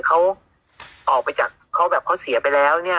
เขาออกไปจากเขาแบบเขาเสียไปแล้วเนี่ย